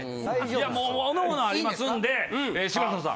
いやもう各々ありますんで柴田さん。